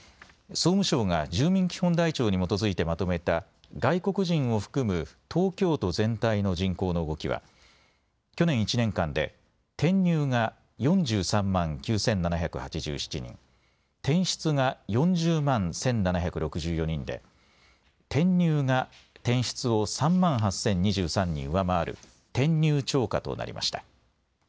総務省が住民基本台帳に基づいてまとめた外国人を含む東京都全体の人口の動きは去年１年間で転入が４３万９７８７人、転出が４０万１７６４人で転入が転出を３万８０２３人上回る転入超過となりました。